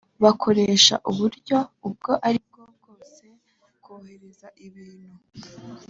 bakoresha uburyo ubwo ari bwo bwose kohereza ibintu